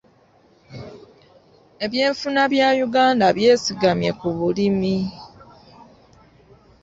Ebyenfuna bya Uganda byesigamye ku bulimi.